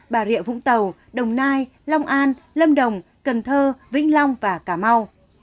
bà rịa vũng tàu đồng nai long an lâm đồng cần thơ vĩnh long và cà mau